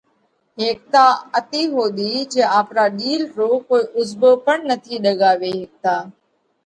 ھيڪتا اتي ۿُوڌِي جي آپرا ڏِيل رو ڪوئي اُزڀو پڻ نٿِي ڏڳاوي ھيڪتا.